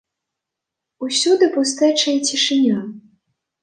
Усюды пустэча і цішыня.